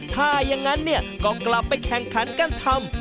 ถ้าอย่างนั้นเนี่ยก็กลับไปแข่งขันกันทำ